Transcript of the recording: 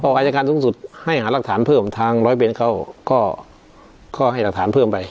อายการสูงสุดให้หารักฐานเพิ่มทางร้อยเวนเขาก็ให้หลักฐานเพิ่มไป